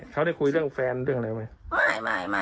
เขาได้คุยเรื่องแฟนเรื่องอะไรไหม